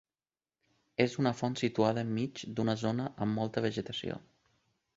És una font situada enmig d'una zona amb molta vegetació.